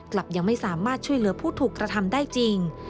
กลับยังไม่สามารถช่วยเหลือผู้ถูกกระทำได้จริง